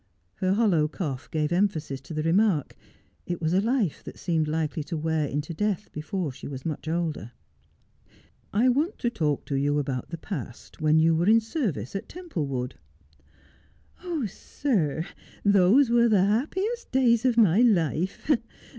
Her hollow cough gave emphasis to the remark. It was a life that seemed likely to wear into death before she was much older. ' I want to talk to you about the past, when you were in service at Templewood.' 'Ah, sir, those were the happiest days of my life.